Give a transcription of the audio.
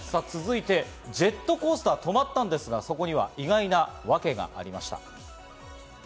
続いて、ジェットコースターが止まったんですが、そこには意外なわけがありました。